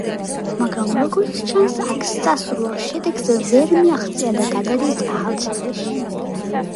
მაგრამ როგორც ჩანს აქ სასურველ შედეგს ვერ მიაღწია და გადადის ახალციხეში.